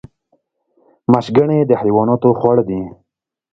مشګڼې د حیواناتو خواړه دي